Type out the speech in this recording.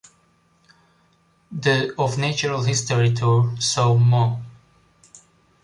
The "Of Natural History" tour saw Moe!